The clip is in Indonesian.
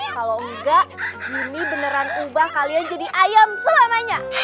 kalau enggak gini beneran ubah kalian jadi ayam selamanya